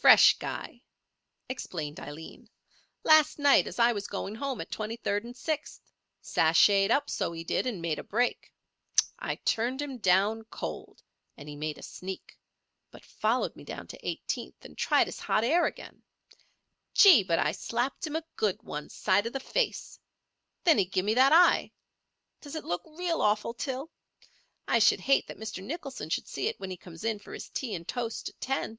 "Fresh guy," explained Aileen, "last night as I was going home at Twenty third and Sixth. Sashayed up, so he did, and made a break. I turned him down, cold, and he made a sneak; but followed me down to Eighteenth, and tried his hot air again. Gee! but I slapped him a good one, side of the face. Then he give me that eye. Does it look real awful, Til? I should hate that Mr. Nicholson should see it when he comes in for his tea and toast at ten."